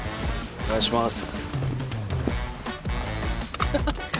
お願いします。